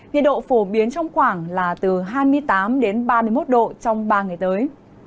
nhiệt độ phổ biến trong khoảng là từ hai mươi tám đến ba mươi một độ trong ba ngày tới